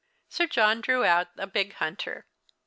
Sir John drew out a big hunter.